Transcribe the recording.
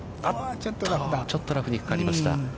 ちょっとラフにかかりました。